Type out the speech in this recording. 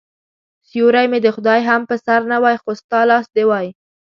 سیوری مې د خدای هم په سر نه وای خو ستا لاس دي وای